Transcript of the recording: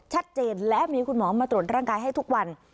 ชัดเจนและมีคุณหมอมาตรวจร่างกายให้ทุกวัน